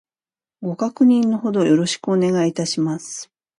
ご確認の程よろしくお願いいたします